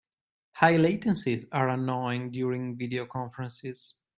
High latencies are annoying during video conferences.